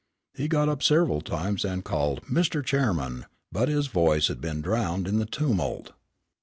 He got up several times and called "Mr. Chairman," but his voice had been drowned in the tumult.